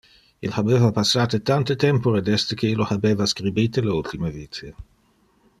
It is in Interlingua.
Il habeva passate tante tempore desde que illo habeva scribite le ultime vice.